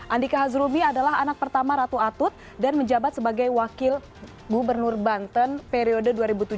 andika hazrumi adalah anak pertama ratu atut dan menjabat sebagai wakil gubernur banten periode dua ribu tujuh belas dua ribu dua puluh